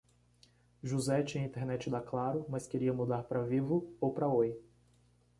José tinha internet da Claro, mas queria mudar pra Vivo ou pra Oi.